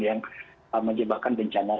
yang menyebabkan bencana